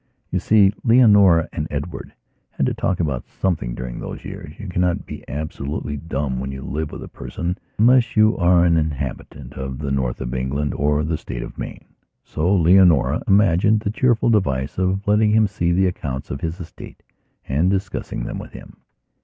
You see, Leonora and Edward had to talk about something during all these years. You cannot be absolutely dumb when you live with a person unless you are an inhabitant of the North of England or the State of Maine. So Leonora imagined the cheerful device of letting him see the accounts of his estate and discussing them with him.